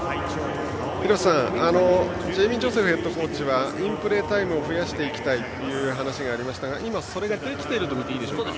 廣瀬さん、ジェイミー・ジョセフヘッドコーチはインプレータイムを増やしたいという話がありましたが今、それができていると見ていいでしょうか。